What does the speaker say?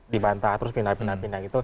di bantah terus pindah pindah